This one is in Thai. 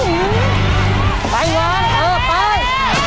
ไปอีกครั้งเออไป